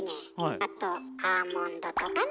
あとアーモンドとかね。